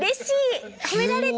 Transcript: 褒められた。